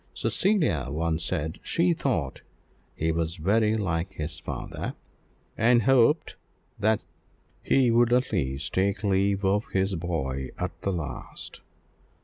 Cecilia once said she thought he was very like his father, and hoped that he would at least take leave of his boy at the last.